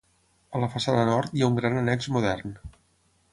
A la façana nord hi ha un gran annex modern.